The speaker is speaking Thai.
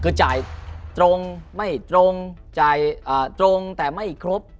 คือจ่ายตรงไม่ตรงจ่ายตรงแต่ไม่ครบ